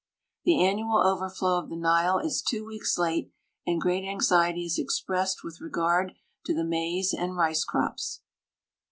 The annual overtlow of the Nile is two weeks late and great anxiety is expressed with regard to the maize and rice crops.